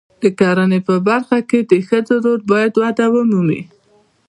د کرنې په برخه کې د ښځو رول باید وده ومومي.